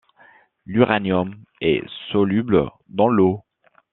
L'uranium est soluble dans l'eau.